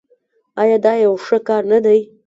آیا دا یو ښه کار نه دی؟